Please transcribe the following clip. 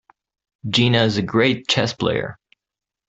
Gina is a great chess player.